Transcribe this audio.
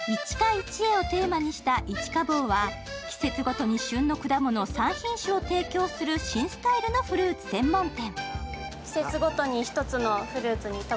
一会をテーマにした一果房は季節ごとに旬の果物３品種を提供する新スタイルのフルーツ専門店。